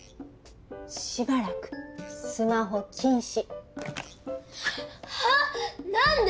しばらくスマホ禁止。はあ！？何で！？